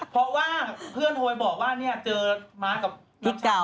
เพราะว่าเพื่อนโทยบอกว่าเนี่ยเจอมาร์ชกับพี่เก่า